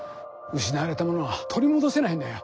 失われたものは取り戻せないんだよ。